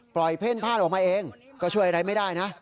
ปล่อยเพ้นผ้าลงไปเองก็ช่วยอะไรไม่ได้นะ